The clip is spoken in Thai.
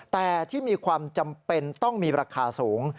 แต่ที่มีความจำเป็นต้องมีราคาสูง